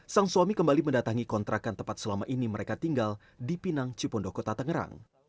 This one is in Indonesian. sang suami kembali mendatangi kontrakan tempat selama ini mereka tinggal di pinang cipondokota tangerang